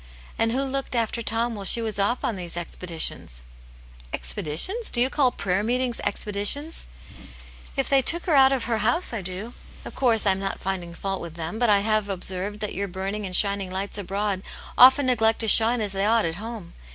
" And who looked ^fter Tom while jshe was off oft these expeditions ?"" Expeditions ? Do you call prayer meetings ex peditions ?"" If they took her out of her house, I do. Of course, I am not finding fault with them,* but I have observed tliat your burning and shining lights abroad often neglect to shine as they ought at home.